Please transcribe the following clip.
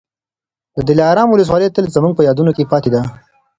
د دلارام ولسوالي تل زموږ په یادونو کي پاتې ده.